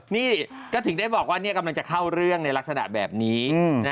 นี่ก็ถึงได้บอกว่ากำลังจะเข้าเรื่องในลักษณะแบบนี้